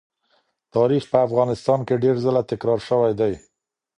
تاریخ په افغانستان کې ډېر ځله تکرار سوی دی.